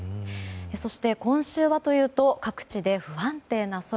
そして今週はというと各地で不安定な空。